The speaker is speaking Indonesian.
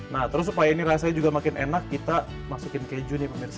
nah terus supaya ini rasanya juga makin enak kita masukin keju nih pemirsa